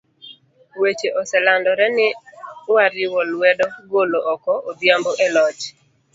Weche oselandore ni wariwo lwedo golo oko Odhiambo e loch.